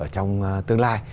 trong tương lai